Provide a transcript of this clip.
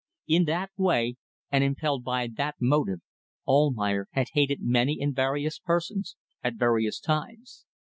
In that way, and impelled by that motive, Almayer had hated many and various persons at various times.